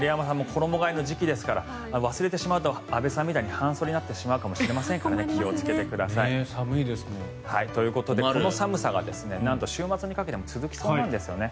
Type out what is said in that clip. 衣替えの時期ですので忘れてしまうと安部さんみたいに半袖になってしまうかもしれませんから気をつけてください。ということでこの寒さが週末にかけても続きそうなんですね。